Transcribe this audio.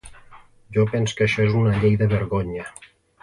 Jo pens que això és una llei de vergonya.